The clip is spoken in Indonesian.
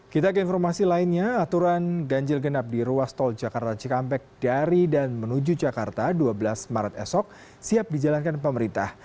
kita ke informasi lainnya aturan ganjil genap di ruas tol jakarta cikampek dari dan menuju jakarta dua belas maret esok siap dijalankan pemerintah